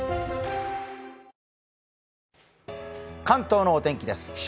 関東のお天気です。